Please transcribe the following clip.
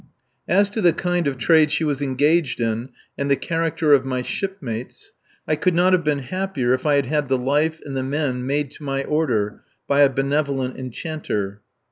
As to the kind of trade she was engaged in and the character of my shipmates, I could not have been happier if I had had the life and the men made to my order by a benevolent Enchanter.